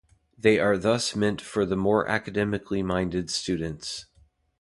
They are thus meant for the more academically minded students.